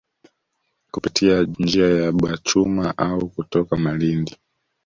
Kupitia njia ya Bachuma au kutoka Malindi